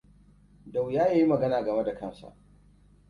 Da wuya ya yi magana game da kansa.